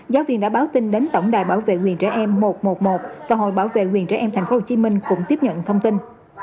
giáo viên đã báo tin đến tổng đài bảo vệ quyền trẻ em một trăm một mươi một và hội bảo vệ quyền trẻ em tp hcm cũng tiếp nhận thông tin